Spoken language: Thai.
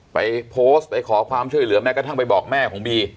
ไปโพสต์ไปขอความช่วยเหลือแม้กระทั่งไปบอกแม่ของบี